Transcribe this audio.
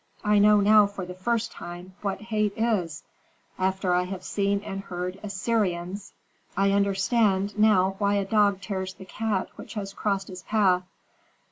I know now, for the first time, what hate is, after I have seen and heard Assyrians. I understand now why a dog tears the cat which has crossed his path."